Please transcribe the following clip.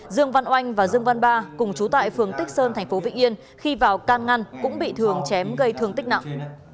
dương văn oanh và dương văn ba cùng chú tại phường tích sơn thành phố vĩnh yên khi vào can ngăn cũng bị thường chém gây thương tích nặng